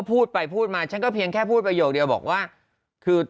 พูดไปพูดมาฉันก็เพียงแค่พูดประโยคเดียวบอกว่าคือ